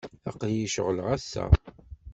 Aql-iyi ceɣleɣ ass-a.